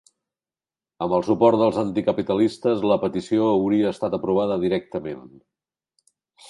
Amb el suport dels anticapitalistes, la petició hauria estat aprovada directament.